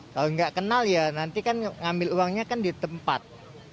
kalau nggak kenal ya nanti kan ngambil uangnya kan di tempat